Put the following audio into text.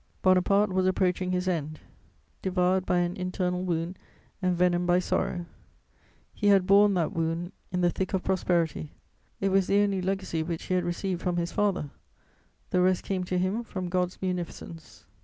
* Bonaparte was approaching his end; devoured by an internal wound envenomed by sorrow, he had borne that wound in the thick of prosperity: it was the only legacy which he had received from his father; the rest came to him from God's munificence.